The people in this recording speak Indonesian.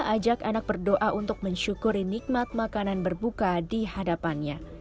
ajak anak berdoa untuk mensyukuri nikmat makanan berbuka di hadapannya